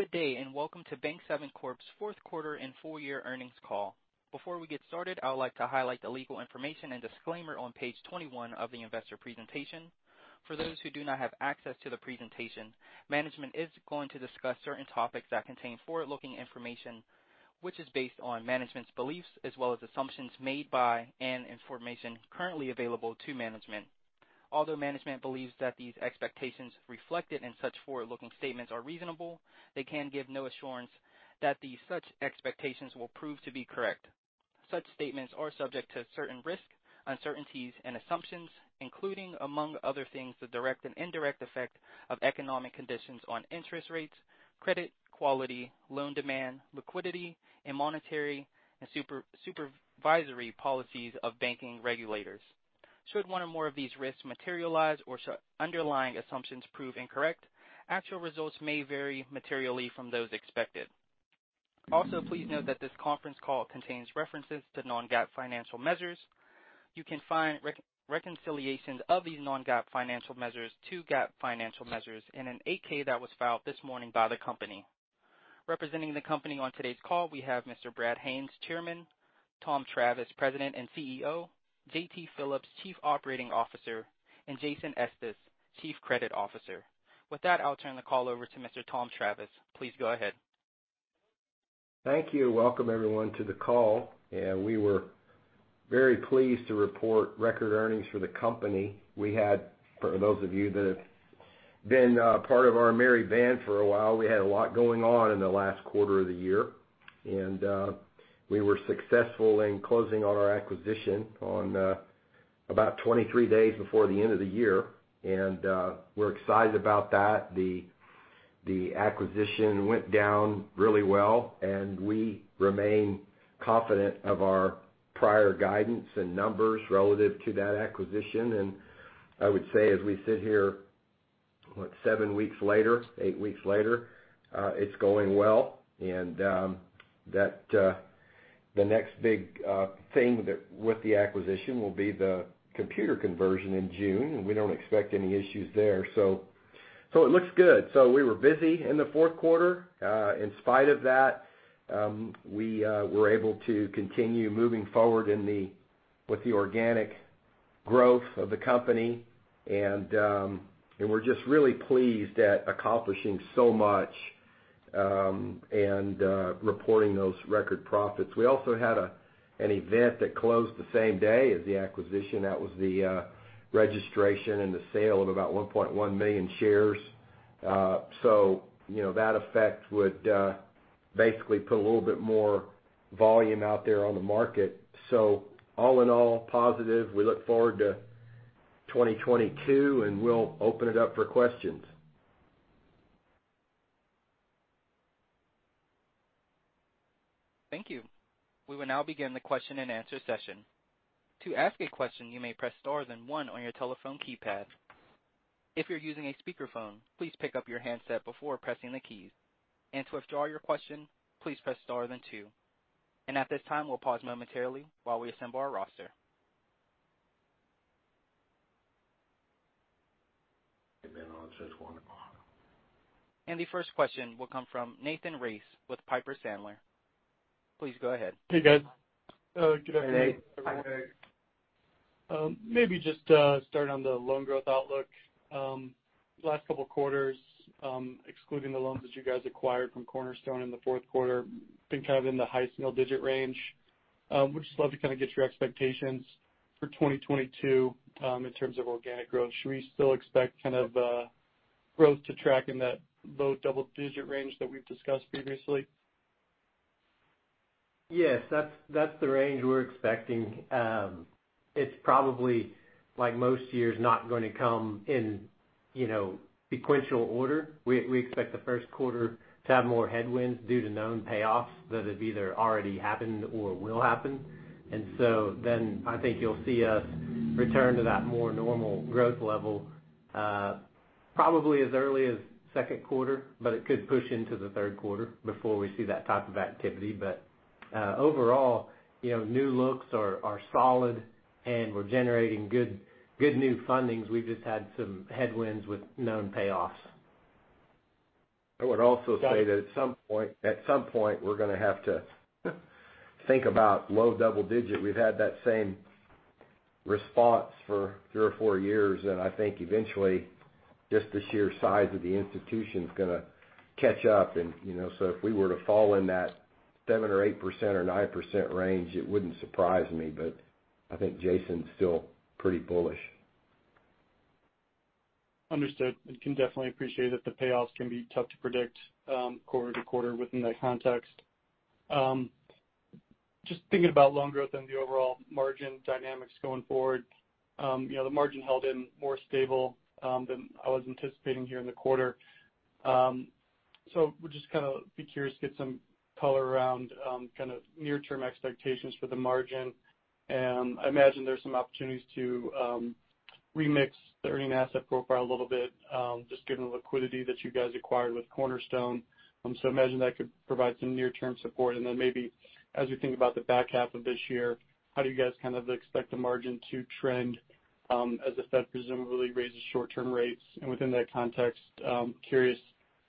Good day, and welcome to Bank7 Corp.'s fourth quarter and full year earnings call. Before we get started, I would like to highlight the legal information and disclaimer on page 21 of the investor presentation. For those who do not have access to the presentation, management is going to discuss certain topics that contain forward-looking information, which is based on management's beliefs as well as assumptions made by and information currently available to management. Although management believes that these expectations reflected in such forward-looking statements are reasonable, they can give no assurance that such expectations will prove to be correct. Such statements are subject to certain risks, uncertainties, and assumptions, including, among other things, the direct and indirect effect of economic conditions on interest rates, credit quality, loan demand, liquidity, and monetary and supervisory policies of banking regulators. Should one or more of these risks materialize or underlying assumptions prove incorrect, actual results may vary materially from those expected. Also, please note that this conference call contains references to non-GAAP financial measures. You can find reconciliations of these non-GAAP financial measures to GAAP financial measures in an 8-K that was filed this morning by the company. Representing the company on today's call, we have Mr. Brad Haines, Chairman, Tom Travis, President and CEO, J.T. Phillips, Chief Operating Officer, and Jason Estes, Chief Credit Officer. With that, I'll turn the call over to Mr. Tom Travis. Please go ahead. Thank you. Welcome everyone to the call. Yeah, we were very pleased to report record earnings for the company. We had, for those of you that have been part of our merry band for a while, we had a lot going on in the last quarter of the year. We were successful in closing on our acquisition on about 23 days before the end of the year. We're excited about that. The acquisition went down really well, and we remain confident of our prior guidance and numbers relative to that acquisition. I would say, as we sit here, what, 7 weeks later, 8 weeks later, it's going well. The next big thing with the acquisition will be the computer conversion in June, and we don't expect any issues there. It looks good. We were busy in the fourth quarter. In spite of that, we were able to continue moving forward with the organic growth of the company. We're just really pleased at accomplishing so much, and reporting those record profits. We also had an event that closed the same day as the acquisition. That was the registration and the sale of about 1.1 million shares. You know, that effect would basically put a little bit more volume out there on the market. All in all, positive. We look forward to 2022, and we'll open it up for questions. Thank you. We will now begin the question-and-answer session. To ask a question, you may press star then one on your telephone keypad. If you're using a speakerphone, please pick up your handset before pressing the keys. To withdraw your question, please press star then two. At this time, we'll pause momentarily while we assemble our roster. Hit then on just one. The first question will come from Nathan Race with Piper Sandler. Please go ahead. Hey, guys. Good afternoon, everyone. Hey, Nate. Hi, Nate. Maybe just start on the loan growth outlook. Last couple quarters, excluding the loans that you guys acquired from Cornerstone in the fourth quarter, been kind of in the high single-digit range. Would just love to kind of get your expectations for 2022, in terms of organic growth. Should we still expect kind of growth to track in that low double-digit range that we've discussed previously? Yes, that's the range we're expecting. It's probably like most years, not gonna come in, you know, sequential order. We expect the first quarter to have more headwinds due to known payoffs that have either already happened or will happen. I think you'll see us return to that more normal growth level, probably as early as second quarter, but it could push into the third quarter before we see that type of activity. Overall, you know, new looks are solid, and we're generating good new fundings. We've just had some headwinds with known payoffs. Got it. I would also say that at some point, we're gonna have to think about low double digit. We've had that same response for 3 or 4 years, and I think eventually just the sheer size of the institution's gonna catch up and, you know. If we were to fall in that 7 or 8% or 9% range, it wouldn't surprise me. I think Jason's still pretty bullish. Understood. I can definitely appreciate that the payoffs can be tough to predict, quarter to quarter within that context. Just thinking about loan growth and the overall margin dynamics going forward, you know, the margin held in more stable than I was anticipating here in the quarter. Would just kind of be curious, get some color around, kind of near-term expectations for the margin. I imagine there's some opportunities to remix the earning asset profile a little bit, just given the liquidity that you guys acquired with Cornerstone. Imagine that could provide some near-term support. Maybe as we think about the back half of this year, how do you guys kind of expect the margin to trend, as the Fed presumably raises short-term rates? Within that context, I'm curious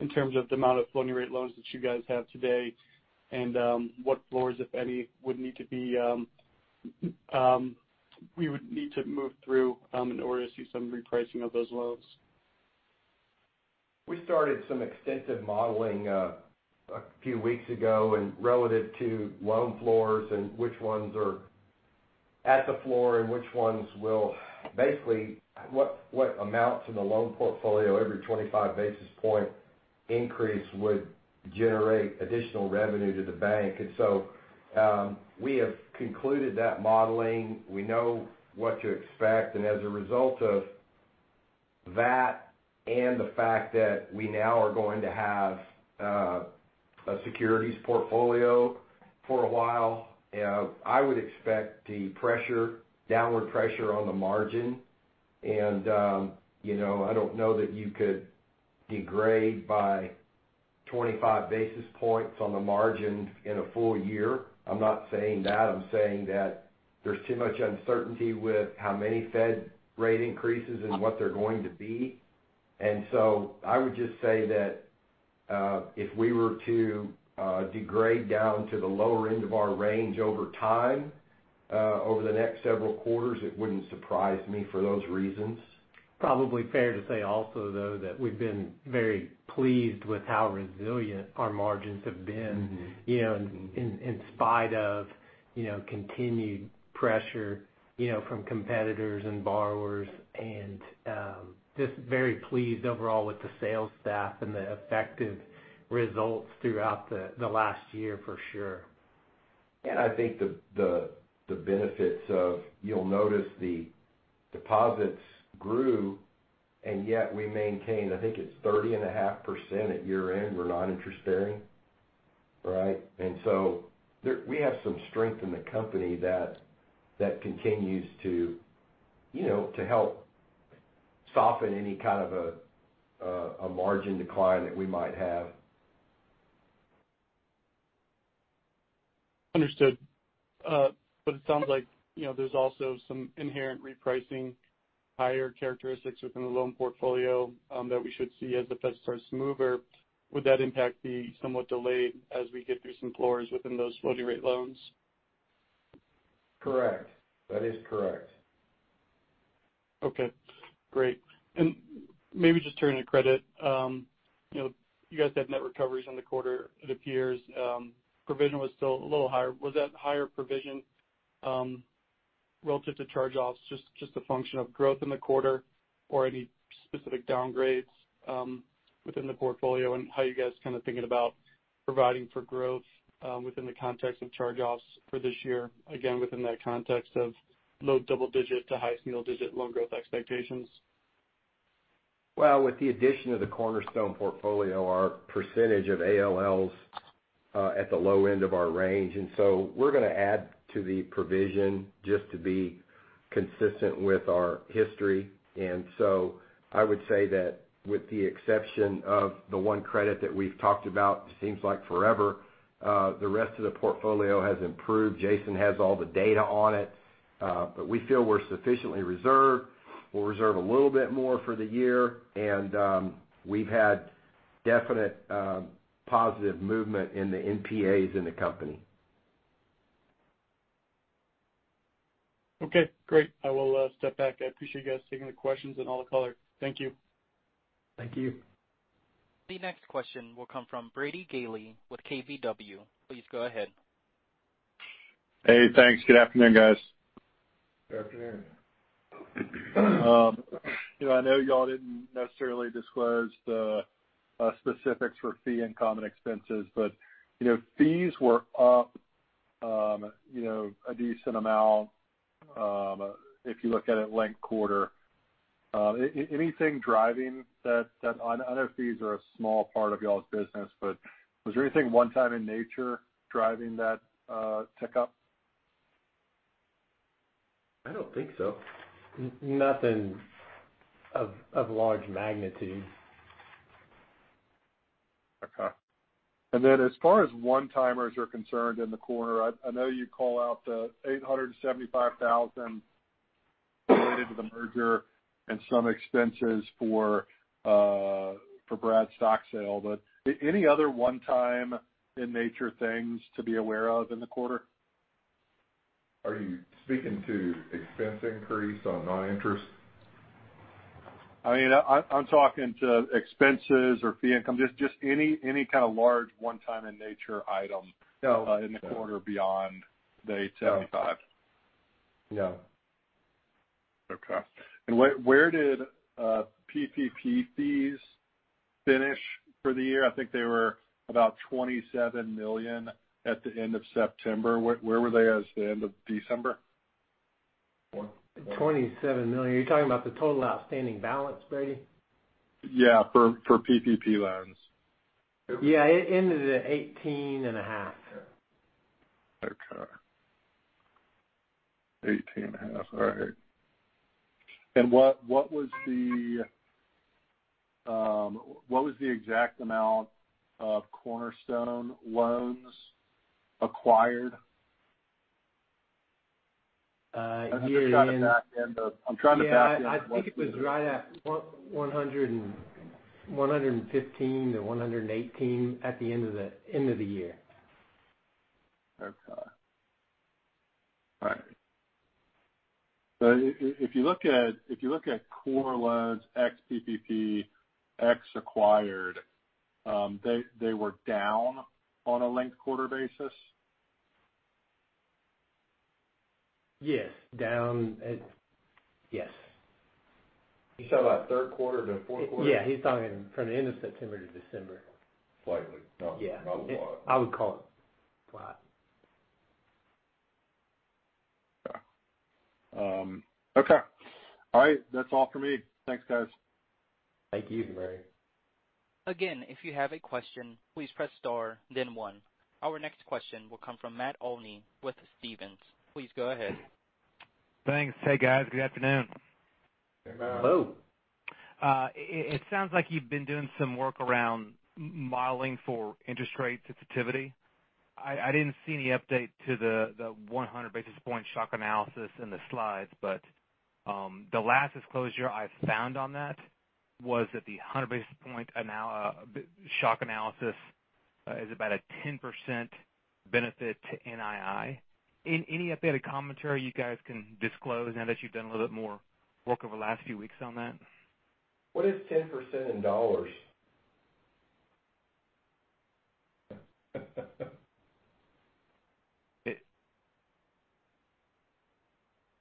in terms of the amount of floating rate loans that you guys have today and what floors, if any, we would need to move through in order to see some repricing of those loans. We started some extensive modeling a few weeks ago and relative to loan floors and which ones are at the floor and which ones will basically what amounts in the loan portfolio every 25 basis point increase would generate additional revenue to the bank. We have concluded that modeling. We know what to expect. As a result of that and the fact that we now are going to have a securities portfolio for a while, I would expect the pressure, downward pressure on the margin and you know I don't know that you could degrade by 25 basis points on the margin in a full year. I'm not saying that. I'm saying that there's too much uncertainty with how many Fed rate increases and what they're going to be. I would just say that, if we were to degrade down to the lower end of our range over time, over the next several quarters, it wouldn't surprise me for those reasons. Probably fair to say also, though, that we've been very pleased with how resilient our margins have been. Mm-hmm You know, in spite of, you know, continued pressure, you know, from competitors and borrowers and, just very pleased overall with the sales staff and the effective results throughout the last year for sure. I think the benefits of. You'll notice the deposits grew, and yet we maintained, I think it's 30.5% at year-end were non-interest-bearing, right? There, we have some strength in the company that continues to, you know, to help soften any kind of a margin decline that we might have. Understood. It sounds like, you know, there's also some inherent repricing, higher characteristics within the loan portfolio, that we should see as the Fed starts to move, or would that impact be somewhat delayed as we get through some floors within those floating rate loans? Correct. That is correct. Okay, great. Maybe just turning to credit, you know, you guys had net recoveries in the quarter. It appears, provision was still a little higher. Was that higher provision, relative to charge-offs just a function of growth in the quarter or any specific downgrades, within the portfolio and how you guys kinda thinking about providing for growth, within the context of charge-offs for this year, again, within that context of low double digit to high single digit loan growth expectations? Well, with the addition of the Cornerstone portfolio, our percentage of ALLs at the low end of our range, and so we're gonna add to the provision just to be consistent with our history. I would say that with the exception of the one credit that we've talked about, it seems like forever, the rest of the portfolio has improved. Jason has all the data on it. We feel we're sufficiently reserved. We'll reserve a little bit more for the year, and we've had definite positive movement in the NPAs in the company. Okay, great. I will step back. I appreciate you guys taking the questions and all the color. Thank you. Thank you. The next question will come from Brady Gailey with KBW. Please go ahead. Hey, thanks. Good afternoon, guys. Good afternoon. You know, I know y'all didn't necessarily disclose the specifics for fee and common expenses, but you know, fees were up you know a decent amount if you look at it linked quarter. Anything driving that on other fees are a small part of y'all's business, but was there anything one-time in nature driving that tick up? I don't think so. Nothing of large magnitude. Okay. As far as one-timers are concerned in the quarter, I know you call out the $875,000 related to the merger and some expenses for Brad's stock sale, but any other one-time in nature things to be aware of in the quarter? Are you speaking to expense increase on noninterest? I mean, I'm talking about expenses or fee income, just any kind of large one-time in-nature item. No in the quarter beyond the 87.5. No. Okay. Where did PPP fees finish for the year? I think they were about $27 million at the end of September. Where were they at the end of December? Four- $27 million. Are you talking about the total outstanding balance, Brady? Yeah, for PPP loans. Yeah. It ended at 18.5. Okay. 18.5. All right. What was the exact amount of Cornerstone loans acquired? Year-end I'm trying to back into what you- I think it was right at 110, 115-118 at the end of the year. If you look at core loans ex PPP, ex acquired, they were down on a linked-quarter basis? Yes. Yes. You're talking about third quarter to fourth quarter? Yeah, he's talking from the end of September to December. Slightly. Yeah. Not a lot. I would call it flat. Okay. Okay. All right. That's all for me. Thanks, guys. Thank you, Brady. Again, if you have a question, please press star then one. Our next question will come from Matt Olney with Stephens. Please go ahead. Thanks. Hey, guys. Good afternoon. Hey, Matt. Hello. It sounds like you've been doing some work around modeling for interest rate sensitivity. I didn't see any update to the 100 basis point shock analysis in the slides, but the last disclosure I found on that was that the 100 basis point shock analysis is about a 10% benefit to NII. Any updated commentary you guys can disclose now that you've done a little bit more work over the last few weeks on that? What is 10% in dollars?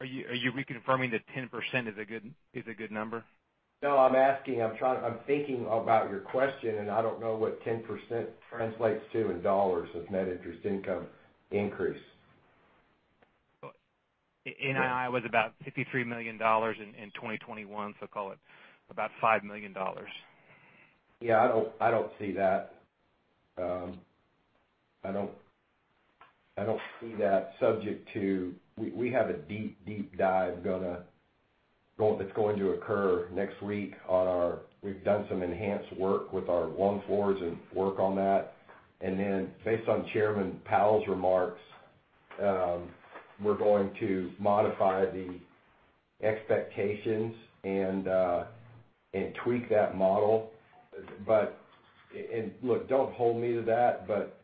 Are you reconfirming that 10% is a good number? No, I'm asking. I'm thinking about your question, and I don't know what 10% translates to in dollars of net interest income increase. NII was about $53 million in 2021, so call it about $5 million. Yeah. I don't see that. I don't see that subject to. We have a deep dive that's going to occur next week on our. We've done some enhanced work with our loan files and work on that. Then based on Chairman Powell's remarks, we're going to modify the expectations and tweak that model. Look, don't hold me to that, but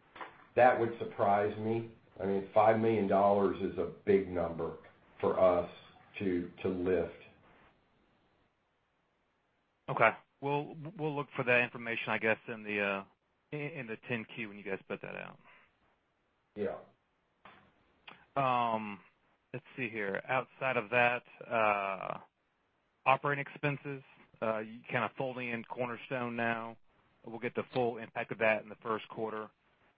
that would surprise me. I mean, $5 million is a big number for us to lift. Okay. We'll look for that information, I guess, in the 10-Q when you guys put that out. Yeah. Let's see here. Outside of that, operating expenses, you're kind of folding in Cornerstone now. We'll get the full impact of that in the first quarter.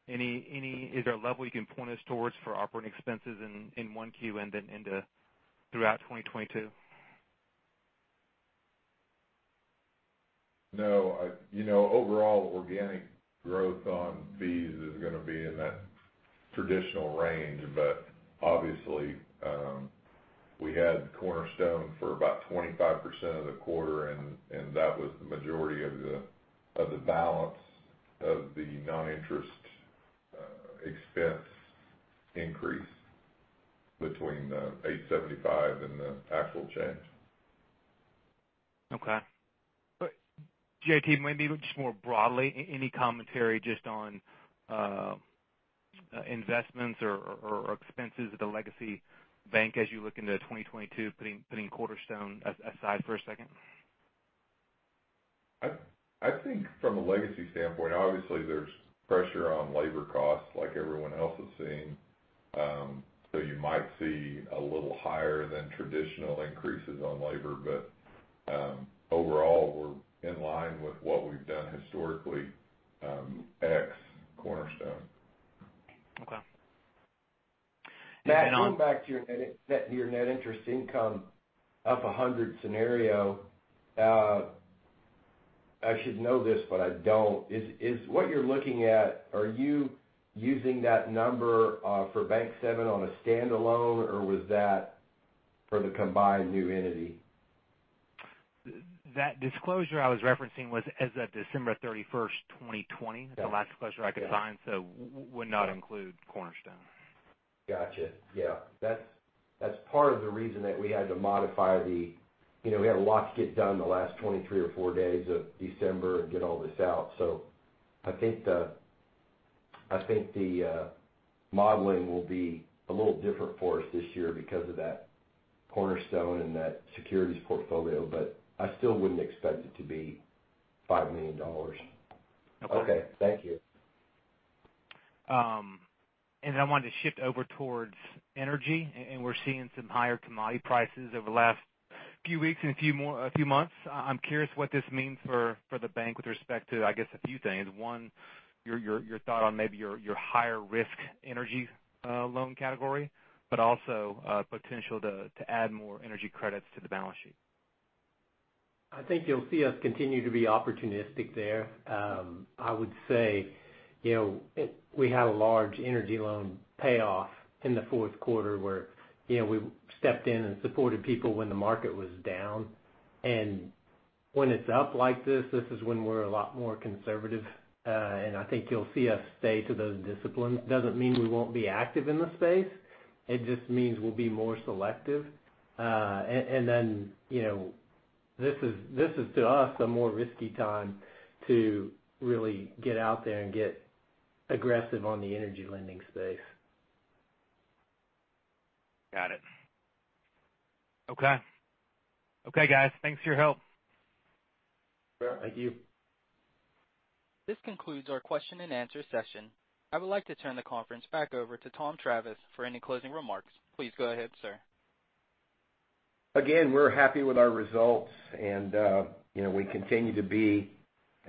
Is there a level you can point us towards for operating expenses in 1Q and then into throughout 2022? No, you know, overall, organic growth on fees is gonna be in that traditional range. Obviously, we had Cornerstone for about 25% of the quarter, and that was the majority of the balance of the non-interest expense increase between the $875 and the actual change. Okay. JT, maybe just more broadly, any commentary just on investments or expenses of the legacy bank as you look into 2022, putting Cornerstone aside for a second? I think from a legacy standpoint, obviously there's pressure on labor costs like everyone else is seeing. You might see a little higher than traditional increases on labor. Overall, we're in line with what we've done historically, ex Cornerstone. Okay. Matt, going back to your net interest income up 100 scenario, I should know this, but I don't. Is what you're looking at, are you using that number for Bank7 on a standalone, or was that for the combined new entity? That disclosure I was referencing was as of December 31, 2020. Yeah. The last disclosure I could find. Yeah. Would not include Cornerstone. Gotcha. Yeah. That's part of the reason that we had to modify the. You know, we had a lot to get done the last 23 or 24 days of December and get all this out. I think the modeling will be a little different for us this year because of that Cornerstone and that securities portfolio, but I still wouldn't expect it to be $5 million. Okay. Okay. Thank you. I wanted to shift over towards energy. We're seeing some higher commodity prices over the last few weeks and a few months. I'm curious what this means for the bank with respect to, I guess, a few things. One, your thought on maybe your higher risk energy loan category, but also potential to add more energy credits to the balance sheet. I think you'll see us continue to be opportunistic there. I would say, you know, we had a large energy loan payoff in the fourth quarter where, you know, we stepped in and supported people when the market was down. When it's up like this is when we're a lot more conservative. I think you'll see us stay to those disciplines. Doesn't mean we won't be active in the space. It just means we'll be more selective. You know, this is to us a more risky time to really get out there and get aggressive on the energy lending space. Got it. Okay. Okay, guys. Thanks for your help. Sure. Thank you. This concludes our question and answer session. I would like to turn the conference back over to Tom Travis for any closing remarks. Please go ahead, sir. Again, we're happy with our results, and you know, we continue to be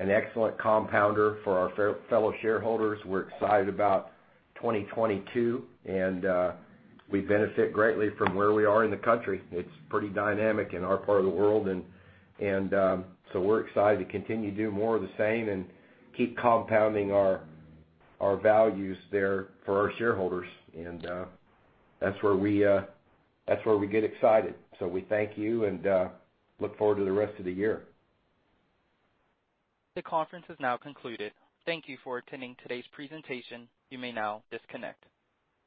an excellent compounder for our fellow shareholders. We're excited about 2022, and we benefit greatly from where we are in the country. It's pretty dynamic in our part of the world. We're excited to continue to do more of the same and keep compounding our values there for our shareholders. That's where we get excited. We thank you and look forward to the rest of the year. The conference has now concluded. Thank you for attending today's presentation. You may now disconnect.